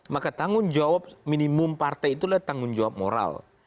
maka tanggung jawab minimum partai itulah tanggung jawab moral